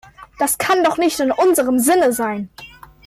Das kann doch nicht in unserem Sinne sein!